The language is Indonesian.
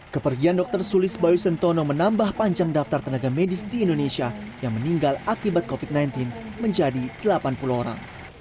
kepergian dr sulis bayu sentono menambah panjang daftar tenaga medis di indonesia yang meninggal akibat covid sembilan belas menjadi delapan puluh orang